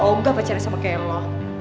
oh enggak pacarnya sama kayak lo